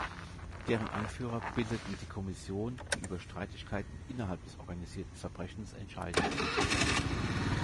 Deren Anführer bildeten die Kommission, die über Streitigkeiten innerhalb des organisierten Verbrechens entscheiden sollte.